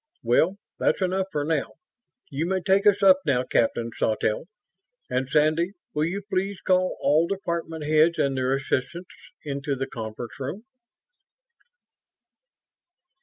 "Well, that's enough for now. You may take us up now, Captain Sawtelle. And Sandy, will you please call all department heads and their assistants into the conference room?"